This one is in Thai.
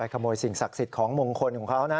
ขโมยสิ่งศักดิ์สิทธิ์ของมงคลของเขานะ